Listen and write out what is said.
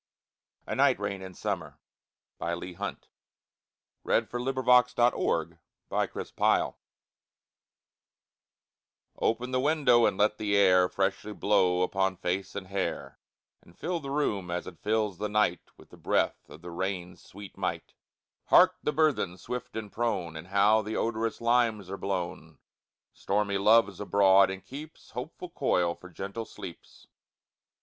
Note: To "keep coil" (in lines 7 8} means to create a noisy disturbance. Nelson] OPEN the window, and let the air Freshly blow upon face and hair, And fill the room, as it fills the night, With the breath of the rain's sweet might. Hark! the burthen, swift and prone! And how the odorous limes are blown! Stormy Love's abroad, and keeps Hopeful coil for gentle sleeps.